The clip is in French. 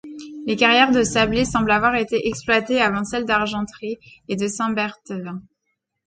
Les carrières de Sablé semblent avoir été exploitées avant celle d'Argentré, et de Saint-Berthevin.